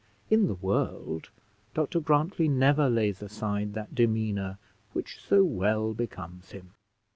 In the world Dr Grantly never lays aside that demeanour which so well becomes him.